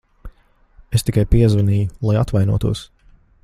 Es tikai piezvanīju, lai atvainotos.